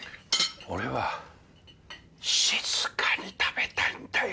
俺は静かに食べたいんだよ。